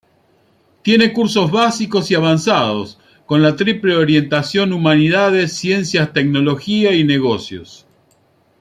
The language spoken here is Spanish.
Tiene cursos básicos y avanzados, con la triple orientación Humanidades, Ciencias-Tecnología y Negocios.